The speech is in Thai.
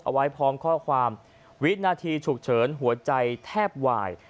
เอาไว้พร้อมข้อความวินาทีฉุกเฉินหัวใจแทบวาย